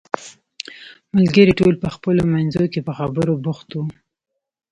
ملګري ټول په خپلو منځو کې په خبرو بوخت وو.